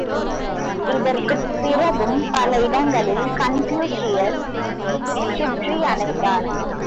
இதற்குப் பிறகும் பல இடங்களில் கன்பூசியஸ் சுற்றி அலைந்தார்.